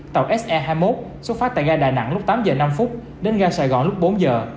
tàu se hai mươi một xuất phát tại gai đà nẵng lúc tám h năm đến gai sài gòn lúc bốn h